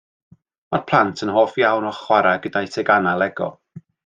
Mae'r plant yn hoff iawn o chwarae gyda'u teganau Lego.